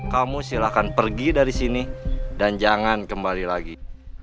kamu silahkan pergi dari sini dan jangan kembali lagi